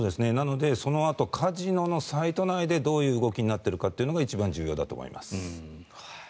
そのあとカジノのサイト内でどういう動きになっているのかというところが一番重要だと思います。